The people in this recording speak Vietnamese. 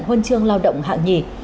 huân chương lao động hạng nhì